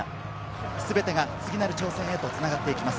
全てが次なる挑戦へとつながっていきます。